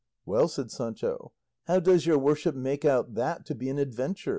"Well," said Sancho, "how does your worship make out that to be an adventure?"